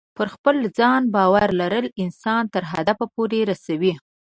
پر خپل ځان باور لرل انسان تر هدف پورې رسوي.